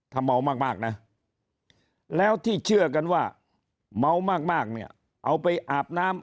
ถ้าเมามากนะแล้วที่เชื่อกันว่าเมามากเนี่ยเอาไปอาบน้ำ